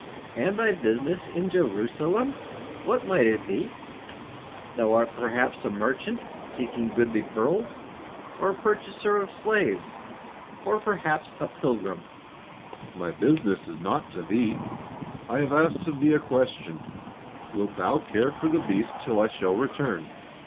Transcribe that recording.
"And thy business in Jerusalem, what might it be? Thou art perhaps a merchant seeking goodly pearls, or a purchaser of slaves, or perhaps a pilgrim?" "My business is naught to thee; I have asked of thee a question, wilt thou care for the beast till I shall return?